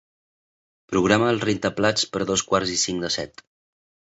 Programa el rentaplats per a dos quarts i cinc de set.